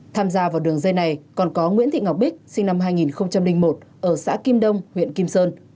tham gia vào đường dây này còn có nguyễn thị ngọc bích sinh năm hai nghìn năm